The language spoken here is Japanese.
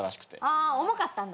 あ重かったんだ。